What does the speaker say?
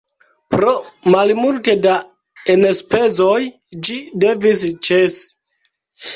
Pro malmulte da enspezoj ĝi devis ĉesi.